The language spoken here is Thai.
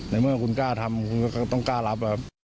ในเมื่อคุณกล้าทำคุณก็ต้องกล้ารับครับ